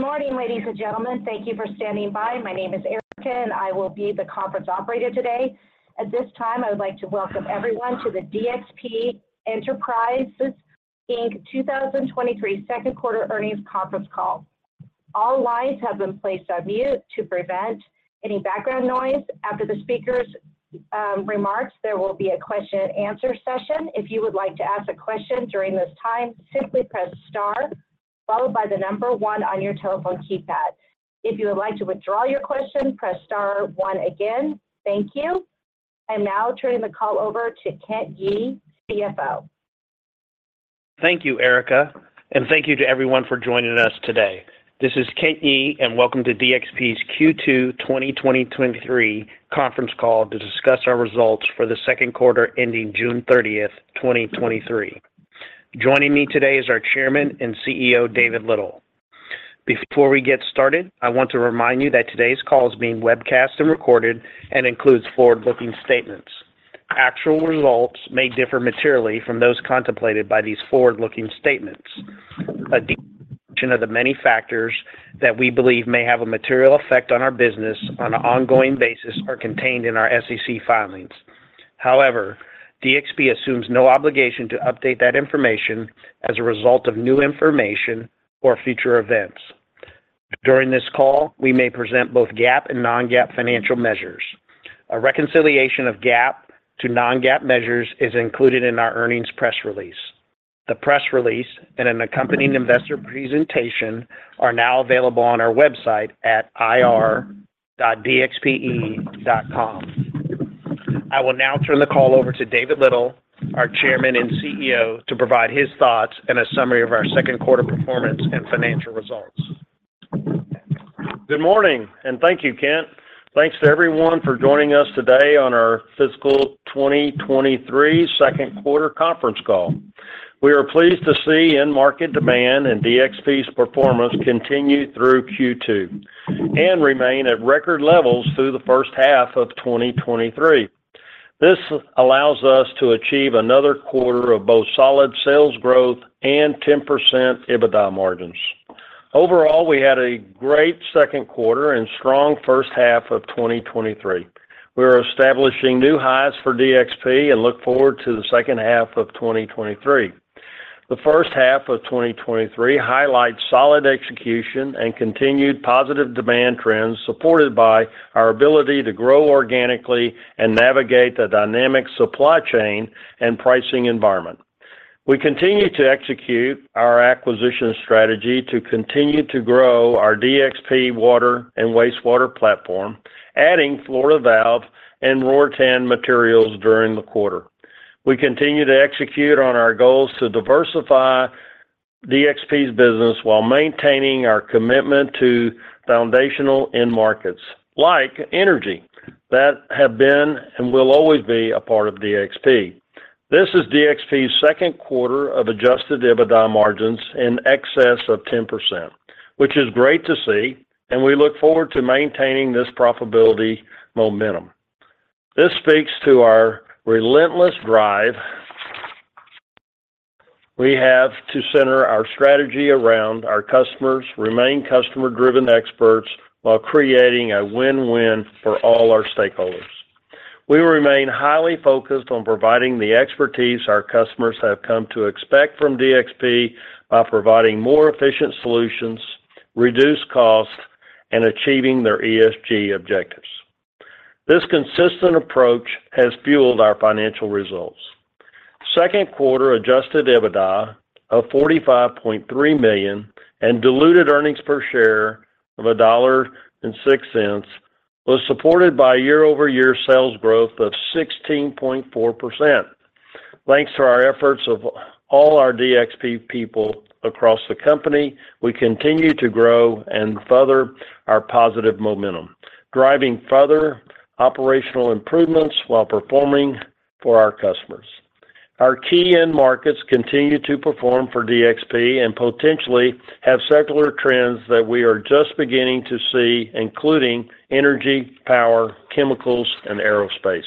Good morning, ladies and gentlemen. Thank you for standing by. My name is Erica, and I will be the conference operator today. At this time, I would like to welcome everyone to the DXP Enterprises Inc 2023 second quarter earnings conference call. All lines have been placed on mute to prevent any background noise. After the speakers' remarks, there will be a question and answer session. If you would like to ask a question during this time, simply press star, followed by the number one on your telephone keypad. If you would like to withdraw your question, press star one again. Thank you. I am now turning the call over to Kent Yee, CFO. Thank you, Erica, thank you to everyone for joining us today. This is Kent Yee, welcome to DXP's Q2 2023 conference call to discuss our results for the second quarter ending June 30, 2023. Joining me today is our Chairman and CEO, David Little. Before we get started, I want to remind you that today's call is being webcast and recorded and includes forward-looking statements. Actual results may differ materially from those contemplated by these forward-looking statements. A description of the many factors that we believe may have a material effect on our business on an ongoing basis are contained in our SEC filings. However, DXP assumes no obligation to update that information as a result of new information or future events. During this call, we may present both GAAP and non-GAAP financial measures. A reconciliation of GAAP to non-GAAP measures is included in our earnings press release. The press release and an accompanying investor presentation are now available on our website at ir.dxpe.com. I will now turn the call over to David Little, our Chairman and CEO, to provide his thoughts and a summary of our second quarter performance and financial results. Good morning, and thank you, Kent. Thanks to everyone for joining us today on our fiscal 2023 second quarter conference call. We are pleased to see end market demand and DXP's performance continue through Q2 and remain at record levels through the first half of 2023. This allows us to achieve another quarter of both solid sales growth and 10% EBITDA margins. Overall, we had a great second quarter and strong first half of 2023. We are establishing new highs for DXP and look forward to the second half of 2023. The first half of 2023 highlights solid execution and continued positive demand trends, supported by our ability to grow organically and navigate the dynamic supply chain and pricing environment. We continue to execute our acquisition strategy to continue to grow our DXP water and wastewater platform, adding Florida Valve and Riordan Materials during the quarter. We continue to execute on our goals to diversify DXP's business while maintaining our commitment to foundational end markets, like energy, that have been and will always be a part of DXP. This is DXP's second quarter of adjusted EBITDA margins in excess of 10%, which is great to see, and we look forward to maintaining this profitability momentum. This speaks to our relentless drive... we have to center our strategy around our customers, remain customer-driven experts while creating a win-win for all our stakeholders. We remain highly focused on providing the expertise our customers have come to expect from DXP by providing more efficient solutions, reduced costs, and achieving their ESG objectives. This consistent approach has fueled our financial results. Second quarter Adjusted EBITDA of $45.3 million and diluted earnings per share of $1.06 was supported by year-over-year sales growth of 16.4%. Thanks to our efforts of all our DXP people across the company, we continue to grow and further our positive momentum, driving further operational improvements while performing for our customers. Our key end markets continue to perform for DXP and potentially have secular trends that we are just beginning to see, including energy, power, chemicals, and aerospace.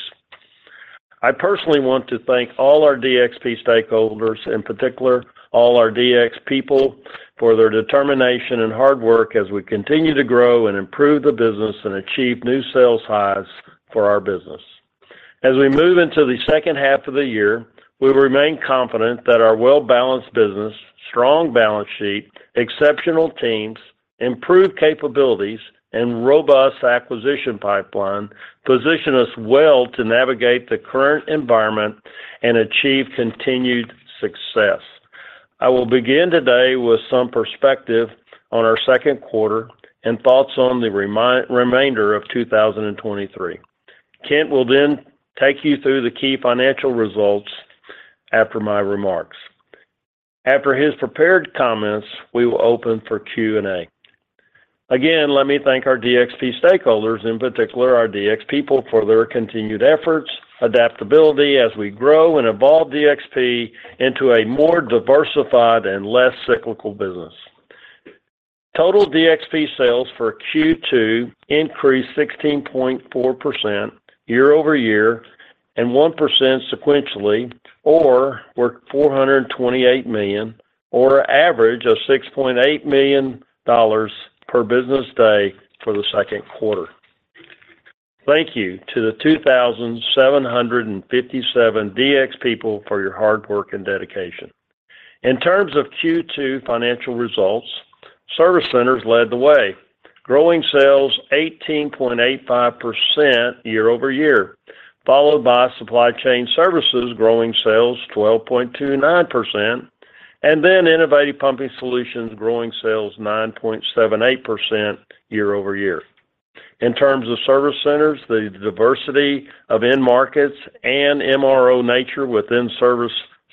I personally want to thank all our DXP stakeholders, in particular, all our DXP people, for their determination and hard work as we continue to grow and improve the business and achieve new sales highs for our business. As we move into the second half of the year, we remain confident that our well-balanced business, strong balance sheet, exceptional teams, improved capabilities, and robust acquisition pipeline position us well to navigate the current environment and achieve continued success. I will begin today with some perspective on our second quarter and thoughts on the remainder of 2023. Kent will take you through the key financial results after my remarks. After his prepared comments, we will open for Q&A. Again, let me thank our DXP stakeholders, in particular, our DXP people, for their continued efforts, adaptability as we grow and evolve DXP into a more diversified and less cyclical business. Total DXP sales for Q2 increased 16.4% year-over-year. One percent sequentially, or were $428 million, or average of $6.8 million per business day for the second quarter. Thank you to the 2,757 DXP people for your hard work and dedication. In terms of Q2 financial results, service centers led the way, growing sales 18.85% year-over-year, followed by Supply Chain Services, growing sales 12.29%, and then Innovative Pumping Solutions, growing sales 9.78% year-over-year. In terms of service centers, the diversity of end markets and MRO nature within service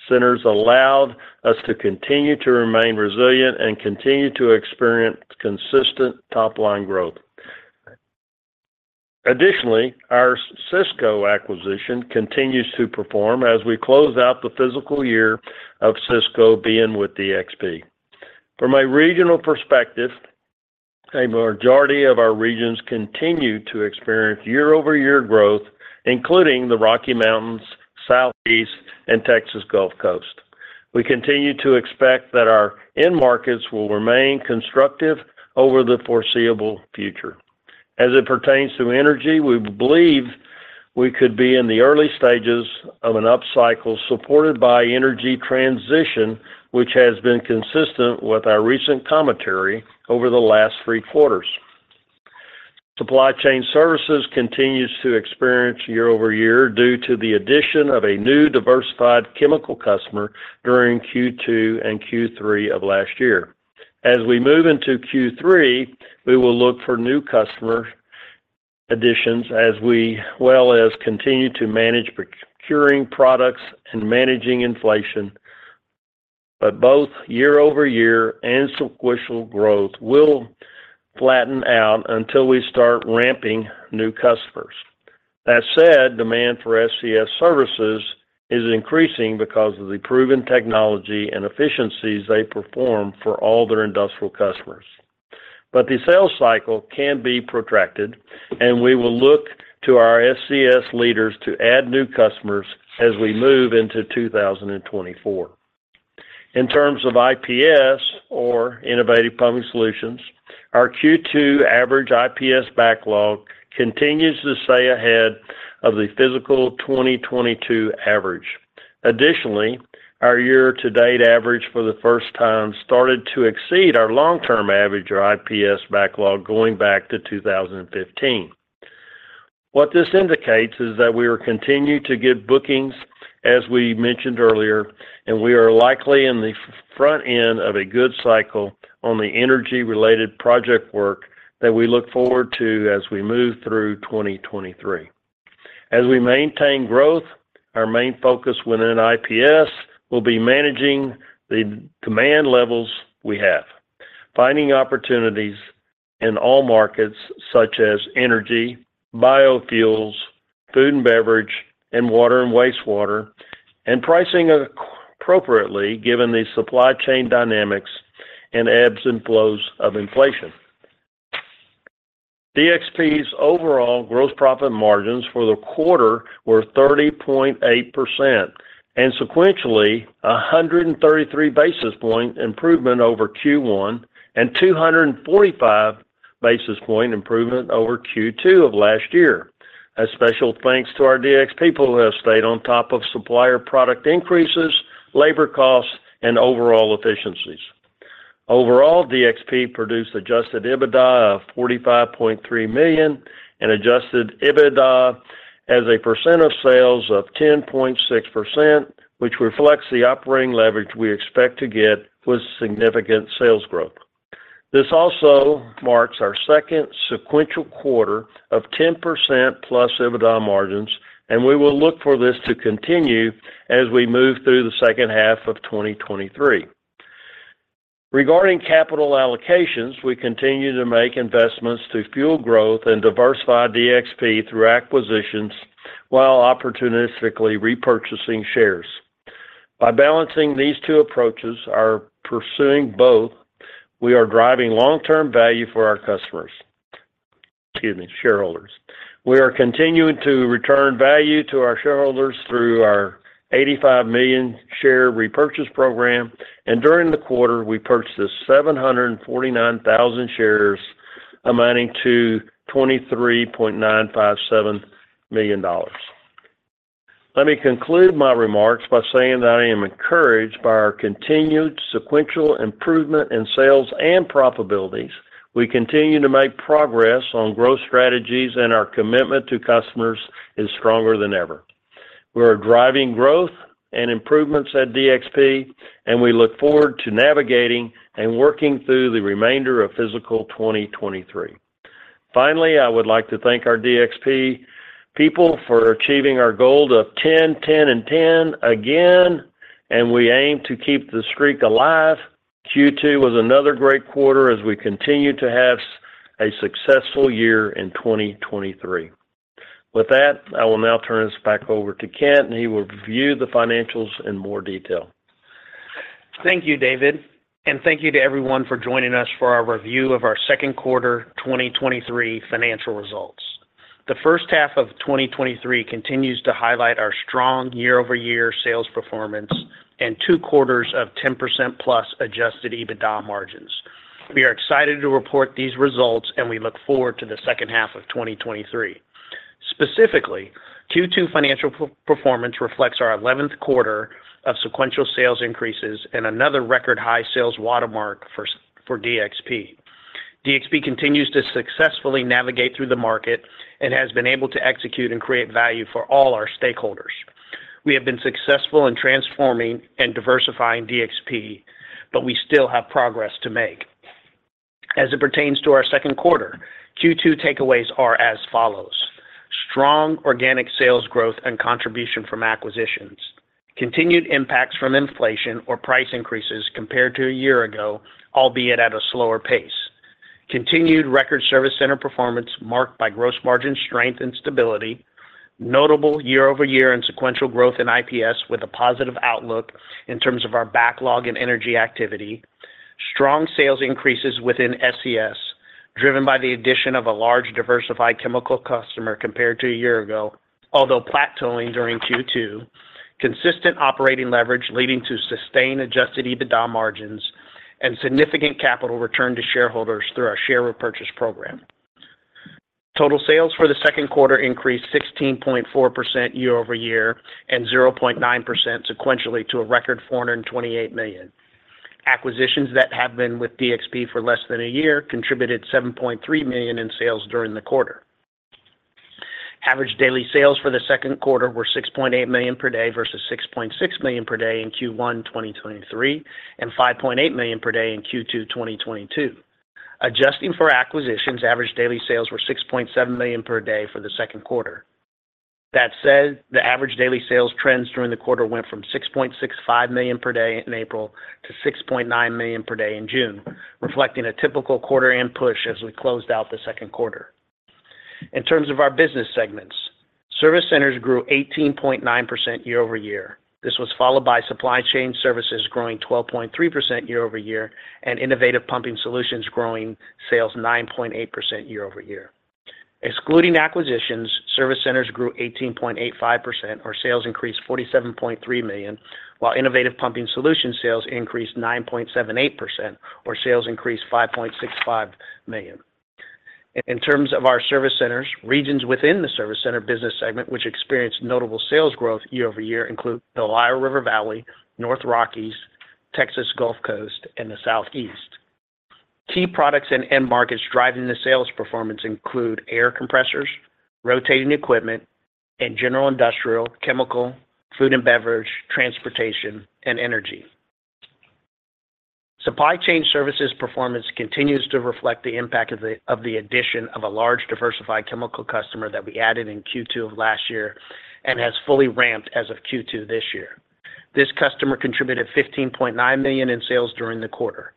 centers allowed us to continue to remain resilient and continue to experience consistent top-line growth. Additionally, our Cisco acquisition continues to perform as we close out the fiscal year of Cisco being with DXP. From a regional perspective, a majority of our regions continue to experience year-over-year growth, including the Rocky Mountains, Southeast, and Texas Gulf Coast. We continue to expect that our end markets will remain constructive over the foreseeable future. As it pertains to energy, we believe we could be in the early stages of an upcycle supported by energy transition, which has been consistent with our recent commentary over the last three quarters. Supply Chain Services continues to experience year-over-year due to the addition of a new diversified chemical customer during Q2 and Q3 of last year. As we move into Q3, we will look for new customer additions as we, well as continue to manage procuring products and managing inflation. Both year-over-year and sequential growth will flatten out until we start ramping new customers. That said, demand for SCS services is increasing because of the proven technology and efficiencies they perform for all their industrial customers. The sales cycle can be protracted, and we will look to our SCS leaders to add new customers as we move into 2024. In terms of IPS, or Innovative Pumping Solutions, our Q2 average IPS backlog continues to stay ahead of the fiscal 2022 average. Additionally, our year-to-date average for the first time started to exceed our long-term average, our IPS backlog, going back to 2015. What this indicates is that we are continuing to get bookings, as we mentioned earlier, and we are likely in the front end of a good cycle on the energy-related project work that we look forward to as we move through 2023. As we maintain growth, our main focus within IPS will be managing the demand levels we have, finding opportunities in all markets such as energy, biofuels, food and beverage, and water and wastewater, and pricing appropriately given the supply chain dynamics and ebbs and flows of inflation. DXP's overall gross profit margins for the quarter were 30.8%, sequentially, 133 basis point improvement over Q1 and 245 basis point improvement over Q2 of last year. A special thanks to our DXP people who have stayed on top of supplier product increases, labor costs, and overall efficiencies. Overall, DXP produced Adjusted EBITDA of $45.3 million and Adjusted EBITDA as a percent of sales of 10.6%, which reflects the operating leverage we expect to get with significant sales growth. This also marks our second sequential quarter of 10%+ EBITDA margins. We will look for this to continue as we move through the second half of 2023. Regarding capital allocations, we continue to make investments to fuel growth and diversify DXP through acquisitions, while opportunistically repurchasing shares. By balancing these two approaches, we are driving long-term value for our customers. Excuse me, shareholders. We are continuing to return value to our shareholders through our $85 million share repurchase program. During the quarter, we purchased 749,000 shares, amounting to $23.957 million. Let me conclude my remarks by saying that I am encouraged by our continued sequential improvement in sales and profitabilities. We continue to make progress on growth strategies. Our commitment to customers is stronger than ever. We are driving growth and improvements at DXP. We look forward to navigating and working through the remainder of fiscal 2023. Finally, I would like to thank our DXP people for achieving our goal of ten, ten and ten again. We aim to keep the streak alive. Q2 was another great quarter as we continue to have a successful year in 2023. With that, I will now turn this back over to Kent. He will review the financials in more detail. Thank you, David, and thank you to everyone for joining us for our review of our second quarter 2023 financial results. The first half of 2023 continues to highlight our strong year-over-year sales performance and two quarters of 10% plus adjusted EBITDA margins. We are excited to report these results, and we look forward to the second half of 2023. Specifically, Q2 financial per-performance reflects our eleventh quarter of sequential sales increases and another record-high sales watermark for DXP. DXP continues to successfully navigate through the market and has been able to execute and create value for all our stakeholders. We have been successful in transforming and diversifying DXP, but we still have progress to make. As it pertains to our second quarter, Q2 takeaways are as follows: strong organic sales growth and contribution from acquisitions, continued impacts from inflation or price increases compared to a year ago, albeit at a slower pace, continued record service center performance marked by gross margin strength and stability, notable year-over-year and sequential growth in IPS with a positive outlook in terms of our backlog and energy activity, strong sales increases within SCS, driven by the addition of a large, diversified chemical customer compared to a year ago, although plateauing during Q2, consistent operating leverage leading to sustained adjusted EBITDA margins and significant capital return to shareholders through our share repurchase program. Total sales for the second quarter increased 16.4% year-over-year and 0.9% sequentially to a record $428 million. Acquisitions that have been with DXP for less than a year contributed $7.3 million in sales during the quarter. Average daily sales for the second quarter were $6.8 million per day versus $6.6 million per day in Q1, 2023, and $5.8 million per day in Q2, 2022. Adjusting for acquisitions, average daily sales were $6.7 million per day for the second quarter. That said, the average daily sales trends during the quarter went from $6.65 million per day in April to $6.9 million per day in June, reflecting a typical quarter end push as we closed out the second quarter. In terms of our business segments, service centers grew 18.9% year-over-year. This was followed by Supply Chain Services growing 12.3% year-over-year, and Innovative Pumping Solutions growing sales 9.8% year-over-year. Excluding acquisitions, service centers grew 18.85%, or sales increased $47.3 million, while Innovative Pumping Solutions sales increased 9.78%, or sales increased $5.65 million. In terms of our service centers, regions within the service center business segment, which experienced notable sales growth year-over-year, include the Ohio River Valley, North Rockies, Texas Gulf Coast, and the Southeast. Key products and end markets driving the sales performance include air compressors, rotating equipment, and general industrial, chemical, food and beverage, transportation, and energy. Supply Chain Services performance continues to reflect the impact of the addition of a large, diversified chemical customer that we added in Q2 of last year and has fully ramped as of Q2 this year. This customer contributed $15.9 million in sales during the quarter.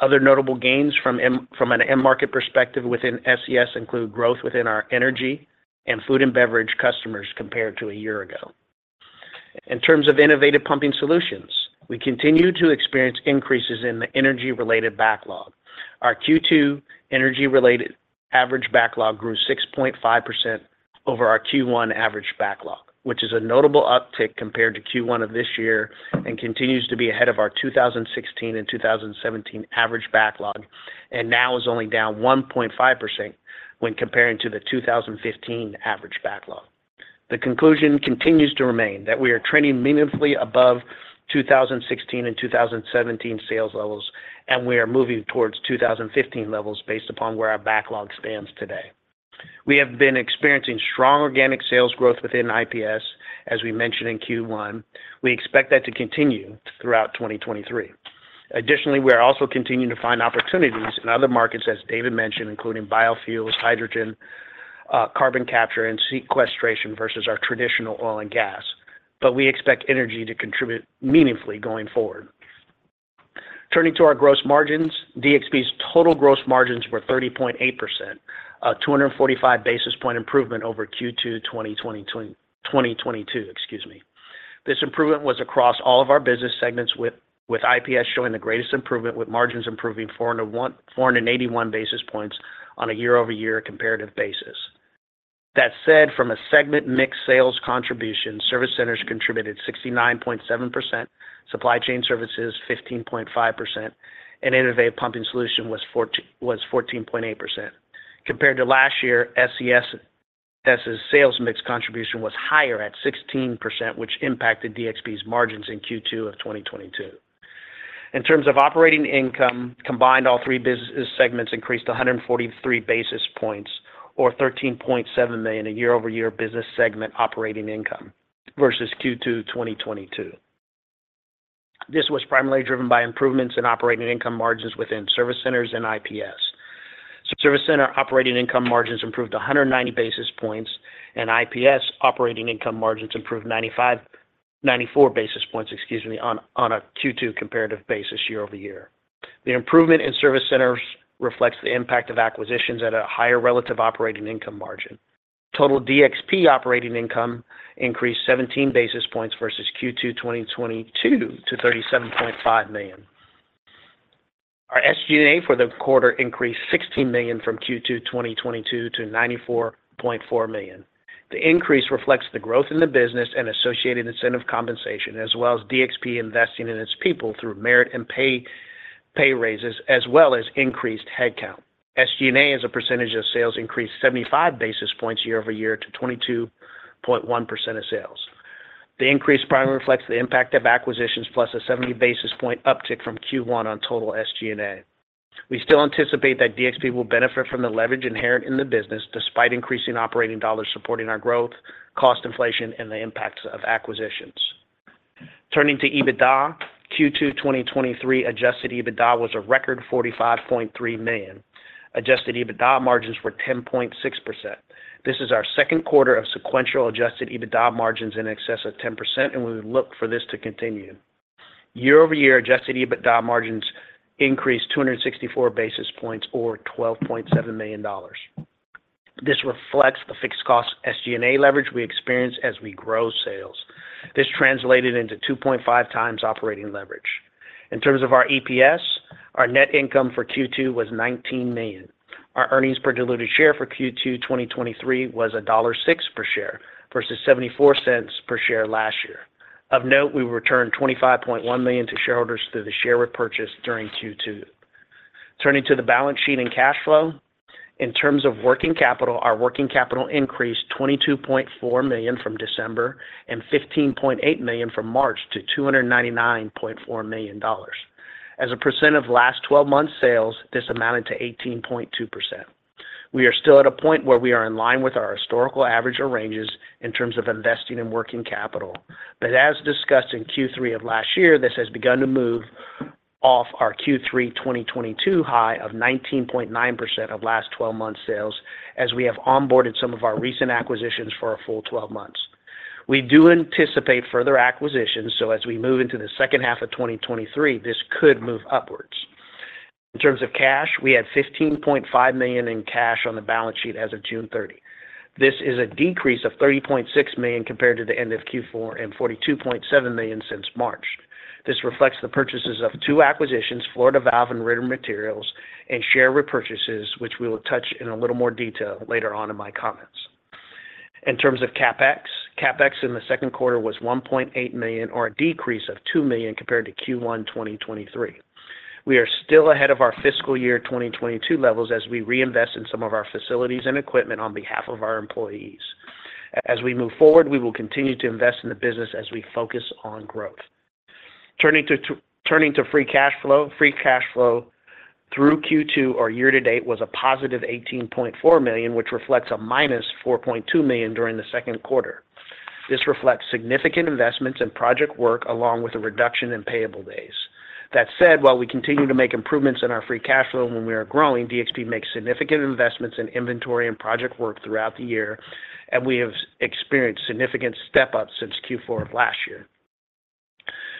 Other notable gains from an end market perspective within SCS include growth within our energy and food and beverage customers compared to a year ago. In terms of Innovative Pumping Solutions, we continue to experience increases in the energy-related backlog. Our Q2 energy-related average backlog grew 6.5% over our Q1 average backlog, which is a notable uptick compared to Q1 of this year and continues to be ahead of our 2016 and 2017 average backlog, now is only down 1.5% when comparing to the 2015 average backlog. The conclusion continues to remain that we are trending meaningfully above 2016 and 2017 sales levels, and we are moving towards 2015 levels based upon where our backlog stands today. We have been experiencing strong organic sales growth within IPS, as we mentioned in Q1. We expect that to continue throughout 2023. Additionally, we are also continuing to find opportunities in other markets, as David mentioned, including biofuels, hydrogen, carbon capture and sequestration versus our traditional oil and gas. We expect energy to contribute meaningfully going forward. Turning to our gross margins, DXP's total gross margins were 30.8%, a 245 basis point improvement over Q2 2022, excuse me. This improvement was across all of our business segments, with IPS showing the greatest improvement, with margins improving 481 basis points on a year-over-year comparative basis. That said, from a segment mix, sales contribution, service centers contributed 69.7%, Supply Chain Services, 15.5%, and Innovative Pumping Solutions was 14.8%. Compared to last year, SCS's sales mix contribution was higher at 16%, which impacted DXP's margins in Q2 of 2022. In terms of operating income, combined, all three business segments increased 143 basis points or $13.7 million a year-over-year business segment operating income versus Q2 2022. This was primarily driven by improvements in operating income margins within service centers and IPS. Service center operating income margins improved 190 basis points, and IPS operating income margins improved 94 basis points, excuse me, on a Q2 comparative basis, year-over-year. The improvement in service centers reflects the impact of acquisitions at a higher relative operating income margin. Total DXP operating income increased 17 basis points versus Q2 2022 to $37.5 million. Our SG&A for the quarter increased $16 million from Q2 2022 to $94.4 million. The increase reflects the growth in the business and associated incentive compensation, as well as DXP investing in its people through merit and pay, pay raises, as well as increased headcount. SG&A, as a percentage of sales, increased 75 basis points year-over-year to 22.1% of sales. The increase primarily reflects the impact of acquisitions, plus a 70 basis point uptick from Q1 on total SG&A. We still anticipate that DXP will benefit from the leverage inherent in the business, despite increasing operating dollars supporting our growth, cost inflation, and the impact of acquisitions. Turning to EBITDA, Q2 2023 Adjusted EBITDA was a record $45.3 million. Adjusted EBITDA margins were 10.6%. This is our second quarter of sequential Adjusted EBITDA margins in excess of 10%, and we look for this to continue. Year-over-year, Adjusted EBITDA margins increased 264 basis points or $12.7 million. This reflects the fixed cost SG&A leverage we experience as we grow sales. This translated into 2.5x operating leverage. In terms of our EPS, our net income for Q2 was $19 million. Our earnings per diluted share for Q2 2023 was $1.06 per share versus $0.74 per share last year. Of note, we returned $25.1 million to shareholders through the share repurchase during Q2. Turning to the balance sheet and cash flow. In terms of working capital, our working capital increased $22.4 million from December and $15.8 million from March to $299.4 million. As a % of last 12 months sales, this amounted to 18.2%. We are still at a point where we are in line with our historical average or ranges in terms of investing in working capital. As discussed in Q3 of last year, this has begun to move off our Q3 2022 high of 19.9% of last 12 months sales, as we have onboarded some of our recent acquisitions for a full 12 months. We do anticipate further acquisitions, as we move into the second half of 2023, this could move upwards. In terms of cash, we had $15.5 million in cash on the balance sheet as of June 30. This is a decrease of $30.6 million compared to the end of Q4 and $42.7 million since March. This reflects the purchases of two acquisitions, Florida Valve and Riordan Materials, and share repurchases, which we will touch in a little more detail later on in my comments. In terms of CapEx, CapEx in the second quarter was $1.8 million, or a decrease of $2 million compared to Q1 2023. We are still ahead of our fiscal year 2022 levels as we reinvest in some of our facilities and equipment on behalf of our employees. As we move forward, we will continue to invest in the business as we focus on growth. Turning to free cash flow, free cash flow through Q2 or year to date was a positive $18.4 million, which reflects a -$4.2 million during the second quarter. This reflects significant investments in project work, along with a reduction in payable days. That said, while we continue to make improvements in our free cash flow when we are growing, DXP makes significant investments in inventory and project work throughout the year, and we have experienced significant step-up since Q4 of last year.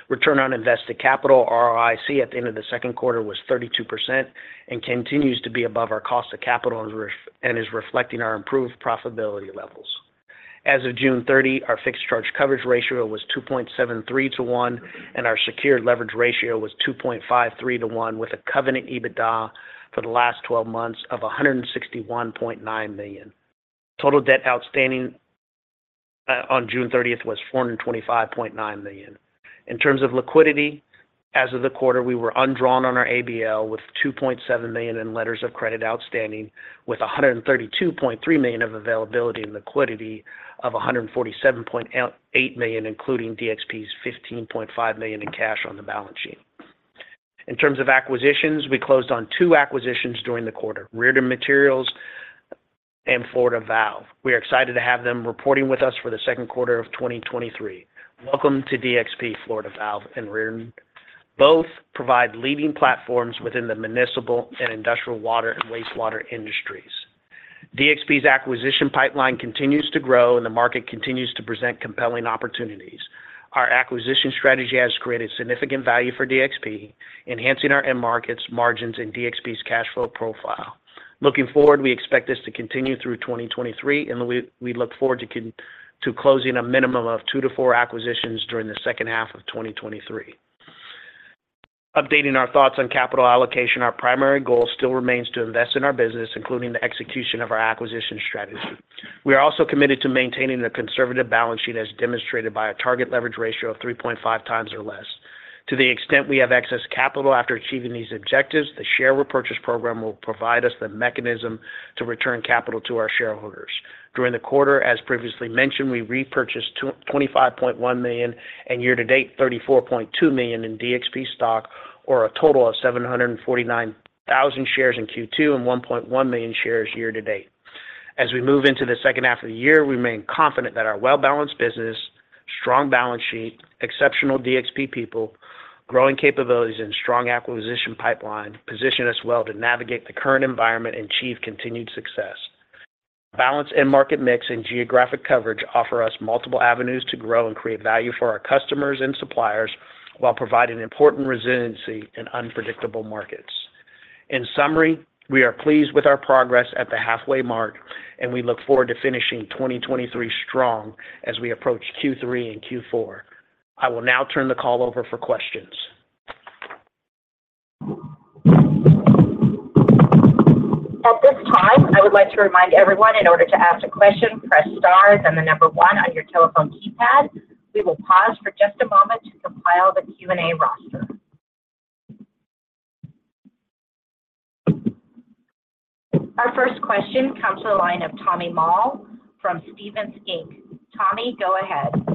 Return on Invested Capital, ROIC, at the end of the second quarter was 32% and continues to be above our cost of capital and is reflecting our improved profitability levels. As of June 30, our fixed charge coverage ratio was 2.73 to 1, and our secured leverage ratio was 2.53 to 1, with a covenant EBITDA for the last 12 months of $161.9 million. Total debt outstanding on June 30 was $425.9 million. In terms of liquidity, as of the quarter, we were undrawn on our ABL with $2.7 million in letters of credit outstanding, with $132.3 million of availability and liquidity of $147.8 million, including DXP's $15.5 million in cash on the balance sheet. In terms of acquisitions, we closed on two acquisitions during the quarter, Riordan Materials and Florida Valve. We are excited to have them reporting with us for the second quarter of 2023. Welcome to DXP, Florida Valve and Riordan. Both provide leading platforms within the municipal and industrial water and wastewater industries. DXP's acquisition pipeline continues to grow, the market continues to present compelling opportunities. Our acquisition strategy has created significant value for DXP, enhancing our end markets, margins, and DXP's cash flow profile. Looking forward, we expect this to continue through 2023, and we, we look forward to closing a minimum of two to four acquisitions during the second half of 2023. Updating our thoughts on capital allocation, our primary goal still remains to invest in our business, including the execution of our acquisition strategy. We are also committed to maintaining a conservative balance sheet, as demonstrated by a target leverage ratio of 3.5x or less. To the extent we have excess capital after achieving these objectives, the share repurchase program will provide us the mechanism to return capital to our shareholders. During the quarter, as previously mentioned, we repurchased $25.1 million, and year to date, $34.2 million in DXP stock, or a total of 749,000 shares in Q2 and 1.1 million shares year to date. As we move into the second half of the year, we remain confident that our well-balanced business, strong balance sheet, exceptional DXP people, growing capabilities, and strong acquisition pipeline position us well to navigate the current environment and achieve continued success. Balance in market mix and geographic coverage offer us multiple avenues to grow and create value for our customers and suppliers, while providing important resiliency in unpredictable markets. In summary, we are pleased with our progress at the halfway mark, and we look forward to finishing 2023 strong as we approach Q3 and Q4. I will now turn the call over for questions. At this time, I would like to remind everyone, in order to ask a question, press stars and the number one on your telephone keypad. We will pause for just a moment to compile the Q&A roster. Our first question comes to the line of Tommy Moll from Stephens Inc. Tommy, go ahead.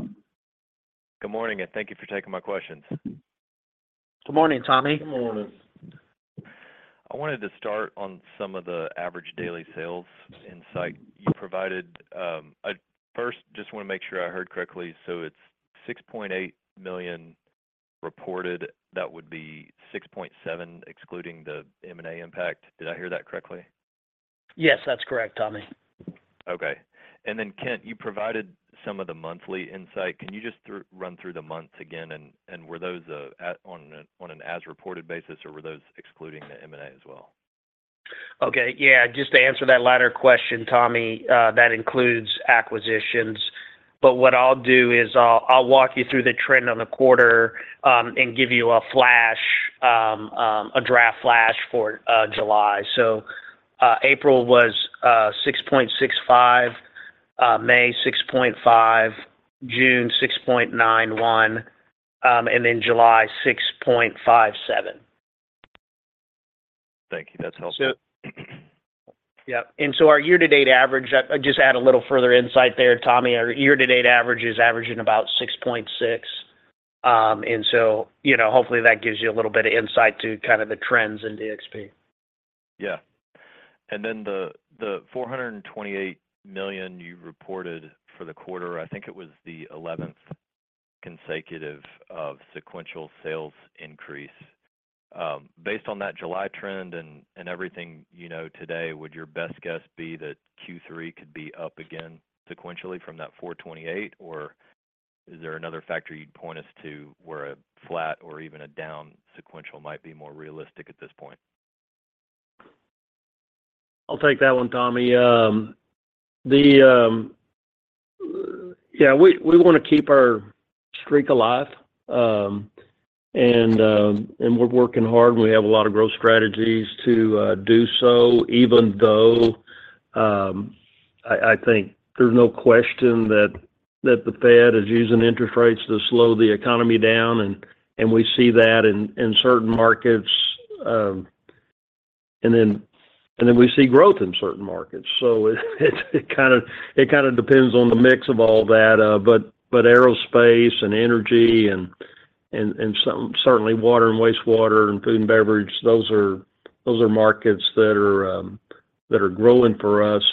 Good morning, thank you for taking my questions. Good morning, Tommy. Good morning. I wanted to start on some of the average daily sales insight you provided. I first just want to make sure I heard correctly. It's $6.8 million reported. That would be $6.7 million, excluding the M&A impact. Did I hear that correctly? Yes, that's correct, Tommy. Okay. Then, Kent, you provided some of the monthly insight. Can you just run through the months again, and were those, at, on an as-reported basis, or were those excluding the M&A as well? Okay. Yeah, just to answer that latter question, Tommy, that includes acquisitions. What I'll do is I'll, I'll walk you through the trend on the quarter, and give you a flash, a draft flash for July. April was 6.65, May, 6.5, June, 6.9, and then July, 6.57. Thank you. That's helpful. Yeah, and so our year-to-date average, I, I just add a little further insight there, Tommy. Our year-to-date average is averaging about 6.6%. You know, hopefully, that gives you a little bit of insight to kind of the trends in DXP. Yeah. Then the, the $428 million you reported for the quarter, I think it was the 11th consecutive of sequential sales increase. Based on that July trend and, and everything, you know, today, would your best guess be that Q3 could be up again sequentially from that $428? Or is there another factor you'd point us to where a flat or even a down sequential might be more realistic at this point? I'll take that one, Tommy. Yeah, we, we want to keep our streak alive, and we're working hard, and we have a lot of growth strategies to do so, even though, I, I think there's no question that, that the Fed is using interest rates to slow the economy down, and, and we see that in, in certain markets, and then, and then we see growth in certain markets. It, it kinda, it kinda depends on the mix of all that, but, but aerospace and energy and, and, and certainly water and wastewater and food and beverage, those are, those are markets that are growing for us.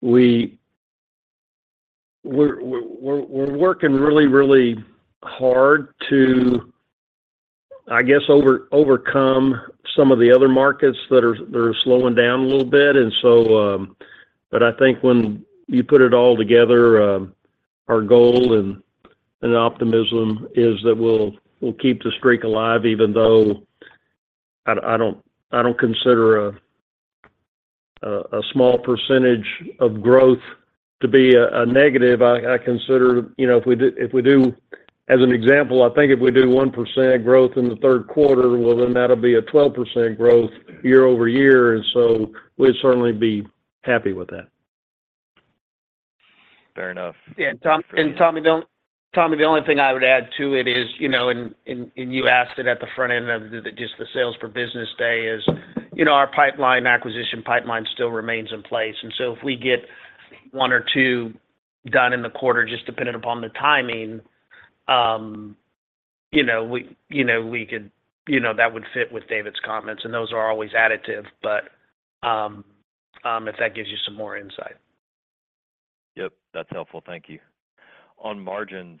We're working really, really hard to, I guess, overcome some of the other markets that are, that are slowing down a little bit. But I think when you put it all together, our goal and optimism is that we'll keep the streak alive, even though I don't consider a small percentage of growth to be a negative. I consider, you know, if we do as an example, I think if we do 1% growth in the third quarter, that'll be a 12% growth year-over-year, we'd certainly be happy with that. Fair enough. Yeah, Tommy, Tommy, the only thing I would add to it is, you know, and you asked it at the front end of the, just the sales per business day is, you know, our pipeline, acquisition pipeline still remains in place. If we get one or two done in the quarter, just depending upon the timing, you know, we, you know, we could, you know, that would fit with David's comments, and those are always additive. If that gives you some more insight. Yep, that's helpful. Thank you. On margins,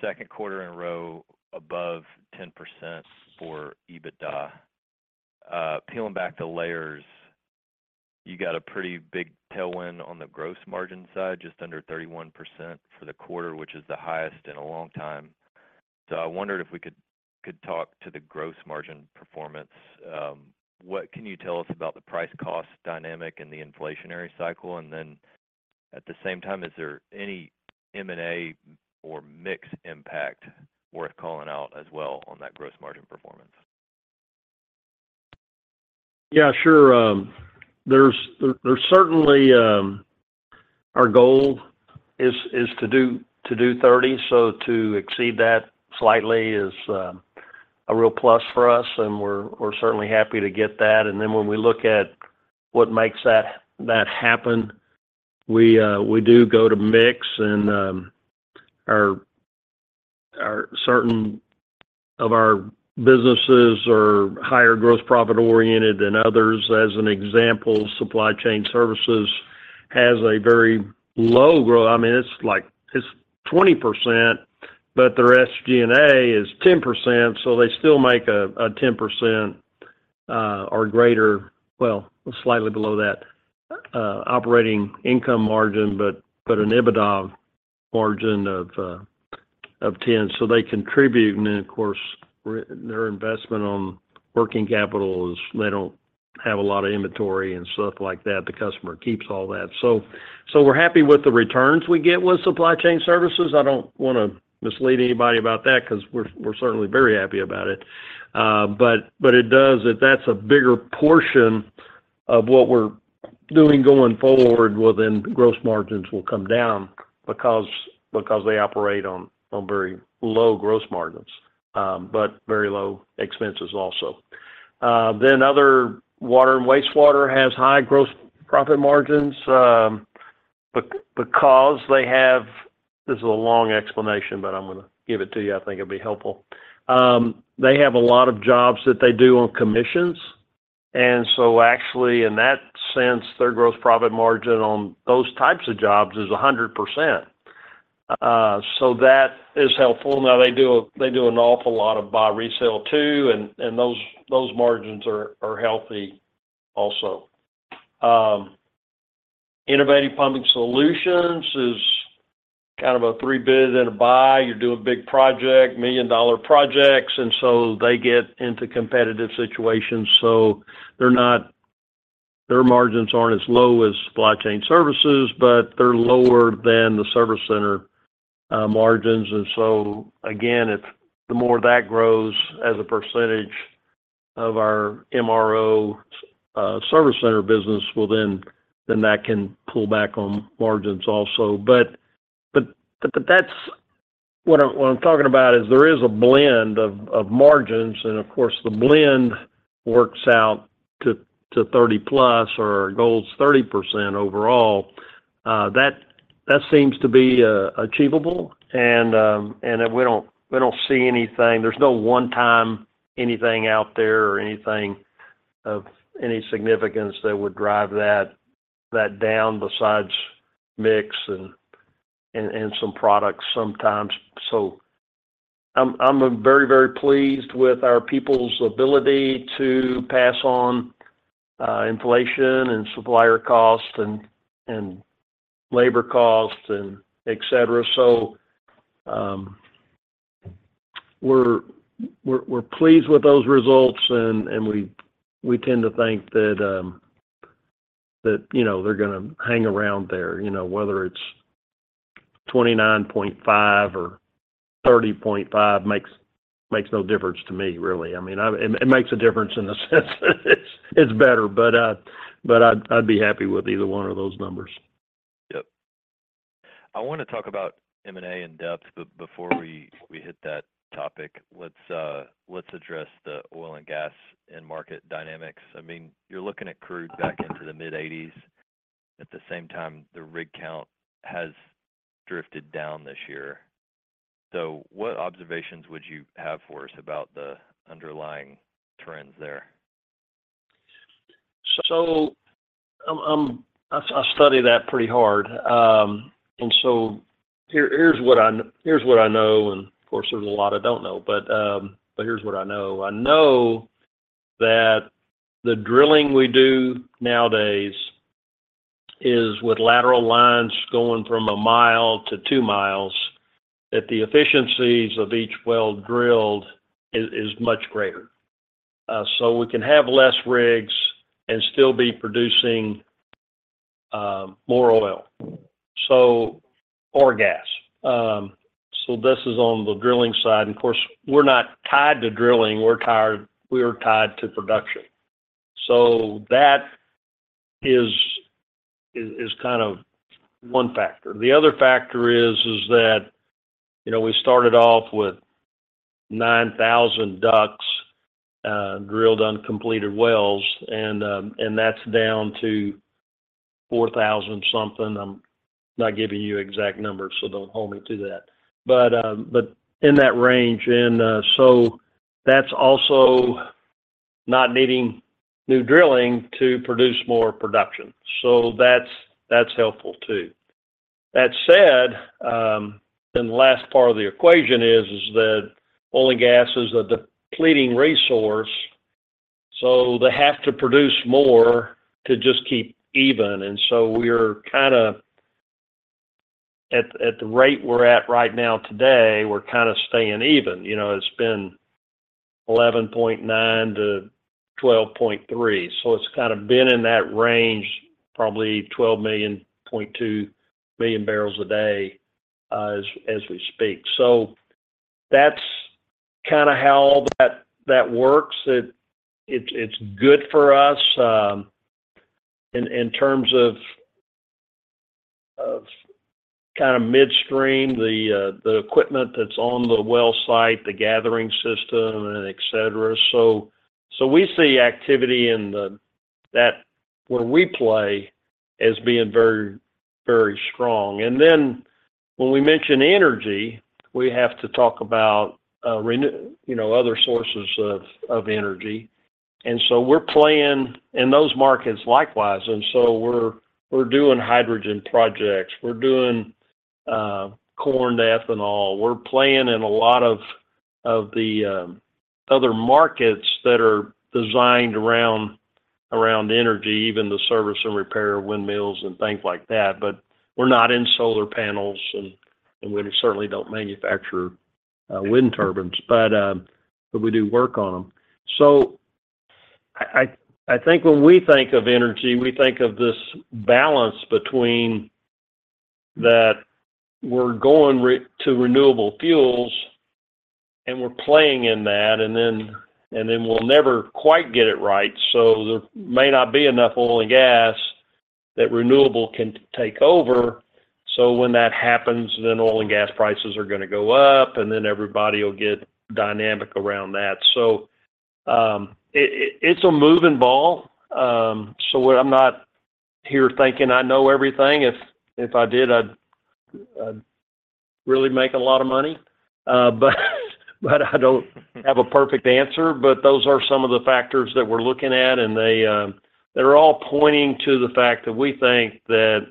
second quarter in a row above 10% for EBITDA. Peeling back the layers, you got a pretty big tailwind on the gross margin side, just under 31% for the quarter, which is the highest in a long time. I wondered if we could talk to the gross margin performance. What can you tell us about the price-cost dynamic and the inflationary cycle? At the same time, is there any M&A or mix impact worth calling out as well on that gross margin performance? Yeah, sure. There's, there's certainly... Our goal is, is to do, to do 30, so to exceed that slightly is a real plus for us, and we're, we're certainly happy to get that. When we look at what makes that, that happen, we do go to mix, and our, our certain of our businesses are higher growth, profit-oriented than others. As an example, Supply Chain Services has a very low growth. I mean, it's like, it's 20%, but the rest G&A is 10%, so they still make a, a 10%, or greater, well, slightly below that, operating income margin, but, but an EBITDA margin of 10. They contribute, and then of course, their investment on working capital is they don't have a lot of inventory and stuff like that. The customer keeps all that. We're happy with the returns we get with Supply Chain Services. I don't wanna mislead anybody about that, 'cause we're, we're certainly very happy about it. But it does, if that's a bigger portion of what we're doing going forward, well, then gross margins will come down because, because they operate on, on very low gross margins, but very low expenses also. Other water and wastewater has high gross profit margins because they have. This is a long explanation, but I'm gonna give it to you. I think it'll be helpful. They have a lot of jobs that they do on commissions, and so actually, in that sense, their gross profit margin on those types of jobs is 100%. That is helpful. They do a, they do an awful lot of buy resale too, and those margins are healthy also. Innovative Pumping Solutions is kind of a 3 bid and a buy. You're doing big project, $1 million projects, so they get into competitive situations. They're not their margins aren't as low as Supply Chain Services, but they're lower than the service center margins. So again, if the more that grows as a percentage of our MRO service center business, well, then that can pull back on margins also. But that's what I'm talking about is there is a blend of margins, of course, the blend works out to 30 plus, or our goal is 30% overall. That, that seems to be achievable, and we don't, we don't see anything. There's no one time anything out there or anything of any significance that would drive that, that down, besides mix and, and, and some products sometimes. I'm, I'm very, very pleased with our people's ability to pass on inflation and supplier costs and, and labor costs, and et cetera. We're, we're, we're pleased with those results, and we, we tend to think that, you know, they're gonna hang around there. You know, whether it's 29.5 or 30.5, makes, makes no difference to me, really. I mean, it makes a difference in the sense that it's, it's better, but I'd, I'd be happy with either one of those numbers. Yep. I wanna talk about M&A in depth, before we hit that topic, let's address the oil and gas market dynamics. I mean, you're looking at crude back into the mid-80s. At the same time, the rig count has drifted down this year. What observations would you have for us about the underlying trends there? I, I study that pretty hard. Here, here's what I, here's what I know, and of course, there's a lot I don't know, but, but here's what I know. I know that the drilling we do nowadays is with lateral lines going from 1 mile to 2 miles, that the efficiencies of each well drilled is, is much greater. We can have less rigs and still be producing, more oil, so, or gas. This is on the drilling side. Of course, we're not tied to drilling, we're tied, we're tied to production. That is, is, is kind of 1 factor. The other factor is, is that, you know, we started off with 9,000 DUCs, drilled, uncompleted wells, and, and that's down to 4,000 something. I'm not giving you exact numbers, so don't hold me to that. In that range, that's also not needing new drilling to produce more production, so that's, that's helpful too. That said, the last part of the equation is that oil and gas is a depleting resource, so they have to produce more to just keep even. We're kind of, at, at the rate we're at right now today, we're kind of staying even. You know, it's been 11.9 to 12.3, so it's kind of been in that range, probably 12.2 million barrels a day, as, as we speak. That's kind of how all that, that works. It, it's, it's good for us, in terms of kind of midstream, the equipment that's on the well site, the gathering system, and et cetera. We see activity where we play as being very, very strong. When we mention energy, we have to talk about renew, you know, other sources of energy. We're playing in those markets likewise, we're doing hydrogen projects, we're doing corn to ethanol. We're playing in a lot of the other markets that are designed around energy, even the service and repair of windmills and things like that. We're not in solar panels, we certainly don't manufacture wind turbines, we do work on them. I think when we think of energy, we think of this balance between that we're going to renewable fuels, and we're playing in that, and then we'll never quite get it right. There may not be enough oil and gas that renewable can take over. When that happens, then oil and gas prices are gonna go up, and then everybody will get dynamic around that. It's a moving ball. I'm not here thinking I know everything. If I did, I'd really make a lot of money. I don't have a perfect answer, but those are some of the factors that we're looking at, and they're all pointing to the fact that we think that,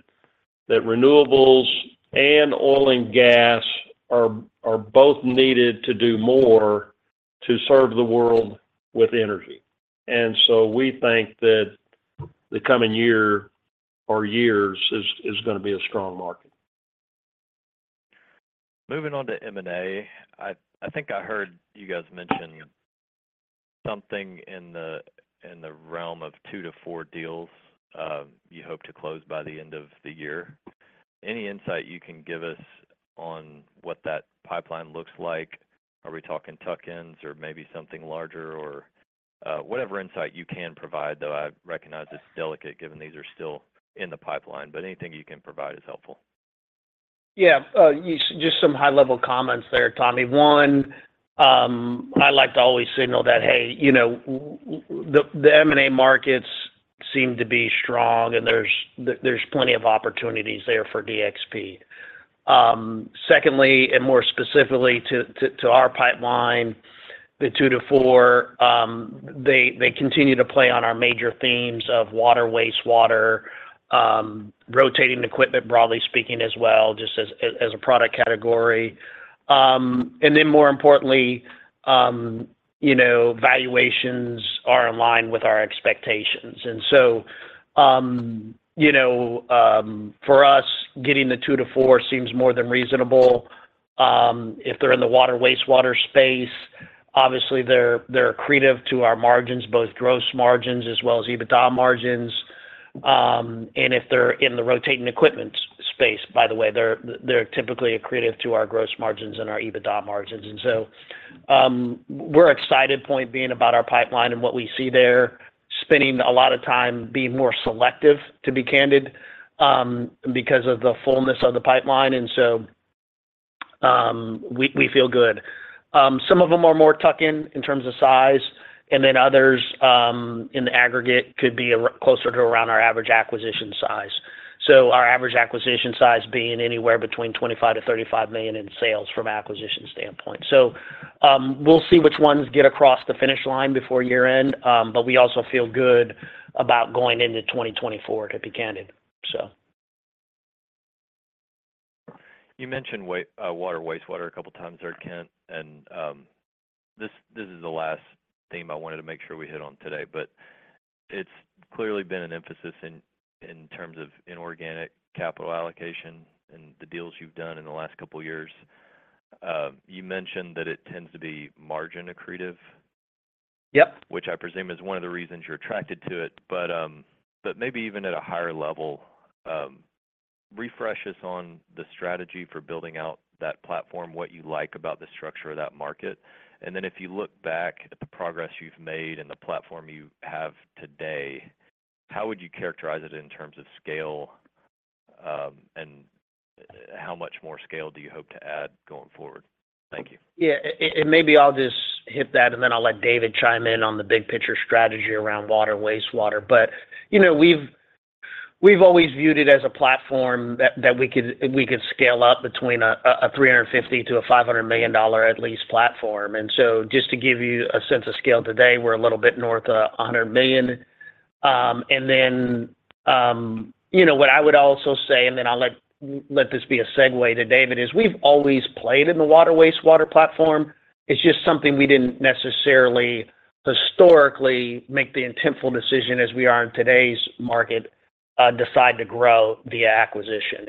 that renewables and oil and gas are both needed to do more to serve the world with energy. We think that the coming year or years is gonna be a strong market. Moving on to M&A, I, I think I heard you guys mention something in the, in the realm of two to four deals, you hope to close by the end of the year. Any insight you can give us on what that pipeline looks like? Are we talking tuck-ins or maybe something larger, or whatever insight you can provide, though I recognize it's delicate, given these are still in the pipeline, but anything you can provide is helpful. Yeah, just some high-level comments there, Tommy. One, I like to always signal that, hey, you know, the M&A markets seem to be strong, and there's, there's plenty of opportunities there for DXP. Secondly, more specifically to our pipeline, the two to four, they continue to play on our major themes of water, wastewater, rotating equipment, broadly speaking as well, just as a product category. More importantly, you know, valuations are in line with our expectations. So, you know, for us, getting the two to four seems more than reasonable. If they're in the water, wastewater space, obviously, they're, they're accretive to our margins, both gross margins as well as EBITDA margins. If they're in the rotating equipment space, by the way, they're, they're typically accretive to our gross margins and our EBITDA margins. We're excited, point being, about our pipeline and what we see there, spending a lot of time being more selective, to be candid, because of the fullness of the pipeline, and so, we feel good. Some of them are more tuck-in, in terms of size, and then others, in the aggregate, could be a closer to around our average acquisition size. Our average acquisition size being anywhere between $25 million-$35 million in sales from an acquisition standpoint. We'll see which ones get across the finish line before year-end, but we also feel good about going into 2024, to be candid. You mentioned water, wastewater a couple of times there, Kent, and this, this is the last theme I wanted to make sure we hit on today, but it's clearly been an emphasis in, in terms of inorganic capital allocation and the deals you've done in the last couple of years. you mentioned that it tends to be margin accretive... Yep Which I presume is one of the reasons you're attracted to it. Maybe even at a higher level, refresh us on the strategy for building out that platform, what you like about the structure of that market. If you look back at the progress you've made and the platform you have today, how would you characterize it in terms of scale, and how much more scale do you hope to add going forward? Thank you. Yeah, maybe I'll just hit that, and then I'll let David chime in on the big picture strategy around water, wastewater. You know, we've, we've always viewed it as a platform that, that we could, we could scale up between $350 million-$500 million at least platform. Just to give you a sense of scale, today, we're a little bit north of $100 million. Then, you know, what I would also say, and then I'll let, let this be a segue to David, is we've always played in the water, wastewater platform. It's just something we didn't necessarily, historically, make the intentful decision as we are in today's market, decide to grow via acquisition.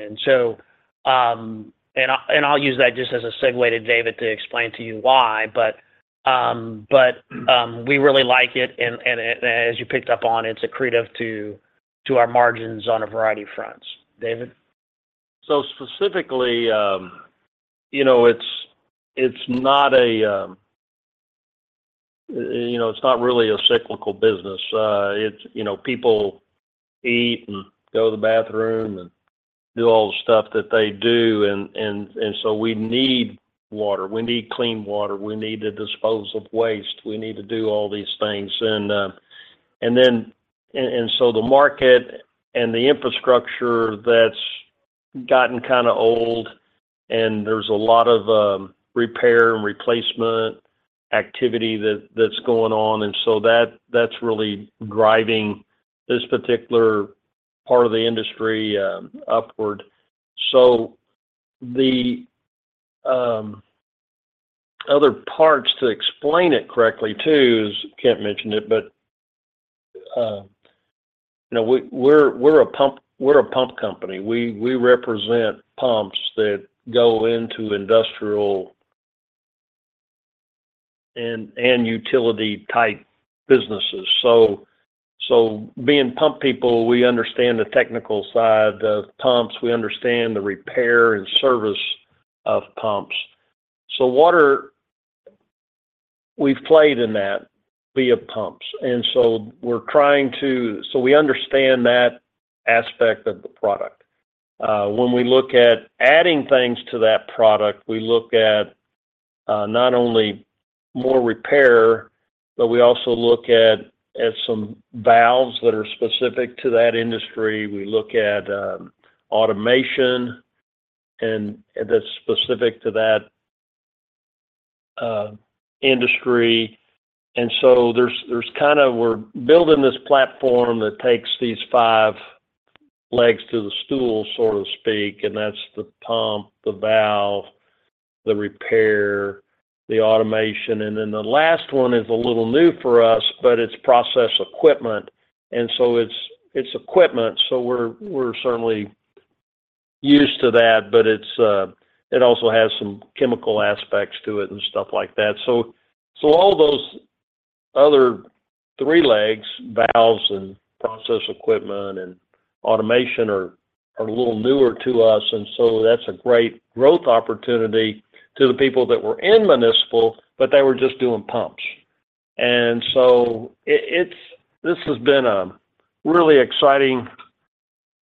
And I, and I'll use that just as a segue to David to explain to you why, but, we really like it, and, as you picked up on, it's accretive to our margins on a variety of fronts. David? Specifically, you know, it's, it's not a, you know, it's not really a cyclical business. It's, you know, people eat and go to the bathroom and do all the stuff that they do, and so we need water, we need clean water, we need to dispose of waste, we need to do all these things. Then, and so the market and the infrastructure that's gotten kind of old, and there's a lot of repair and replacement activity that, that's going on, and so that, that's really driving this particular part of the industry upward. The other parts to explain it correctly, too, is Kent mentioned it, but, you know, we're, we're a pump, we're a pump company. We represent pumps that go into industrial and utility-type businesses. Being pump people, we understand the technical side of pumps. We understand the repair and service of pumps. Water, we've played in that via pumps, we understand that aspect of the product. When we look at adding things to that product, we look at not only more repair, but we also look at, at some valves that are specific to that industry. We look at automation, and, that's specific to that industry. There's kind of... We're building this platform that takes these five legs to the stool, so to speak, and that's the pump, the valve, the repair, the automation, and then the last one is a little new for us, but it's process equipment. It's, it's equipment, so we're, we're certainly used to that, but it's, it also has some chemical aspects to it and stuff like that. All those other three legs, valves and process equipment and automation are, are a little newer to us, and so that's a great growth opportunity to the people that were in municipal, but they were just doing pumps. This has been a really exciting,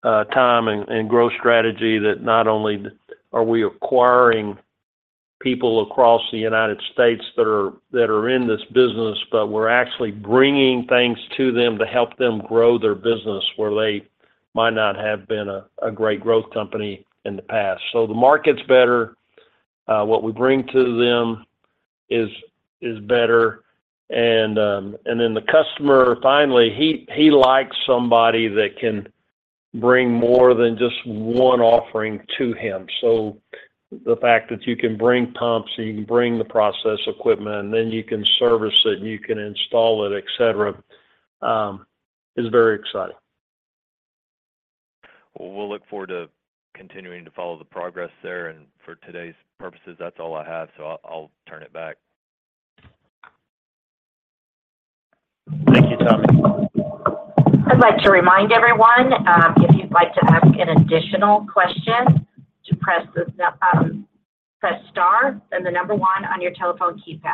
time and, and growth strategy that not only are we acquiring people across the United States that are, that are in this business, but we're actually bringing things to them to help them grow their business, where they might not have been a, a great growth company in the past. The market's better. What we bring to them is, is better. The customer, finally, he likes somebody that can bring more than just one offering to him. The fact that you can bring pumps, and you can bring the process equipment, and then you can service it, and you can install it, et cetera, is very exciting. Well, we'll look forward to continuing to follow the progress there. For today's purposes, that's all I have. I'll, I'll turn it back. Thank you, Tommy. I'd like to remind everyone, if you'd like to ask an additional question, to press the, press star, then the number one on your telephone keypad.